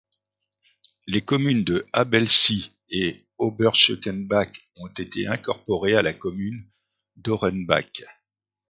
Les communes de Habelsee et Oberschekenbach ont été incorporées à la commune d'Ohrenbach.